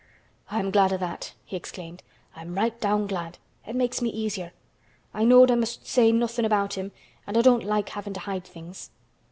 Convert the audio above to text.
"I am glad o' that," he exclaimed. "I'm right down glad. It makes me easier. I knowed I must say nothin' about him an' I don't like havin' to hide things."